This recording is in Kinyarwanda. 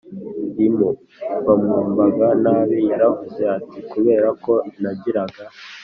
rimu bamwumvaga nabi Yaravuze ati kubera ko nagiraga